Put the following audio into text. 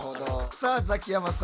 さあザキヤマさん。